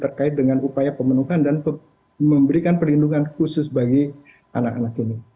terkait dengan upaya pemenuhan dan memberikan perlindungan khusus bagi anak anak ini